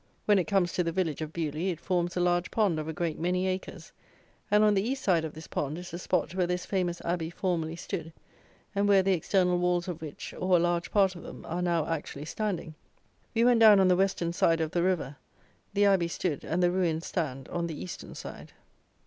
When it comes to the village of Beaulieu, it forms a large pond of a great many acres; and on the east side of this pond is the spot where this famous Abbey formerly stood, and where the external walls of which, or a large part of them, are now actually standing. We went down on the western side of the river. The Abbey stood, and the ruins stand, on the eastern side.